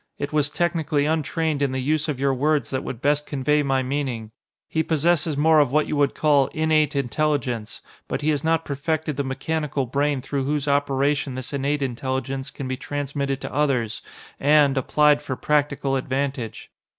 It was technically untrained in the use of your words that would best convey my meaning. He possesses more of what you would call 'innate intelligence,' but he has not perfected the mechanical brain through whose operation this innate intelligence can be transmitted to others and, applied for practical advantage.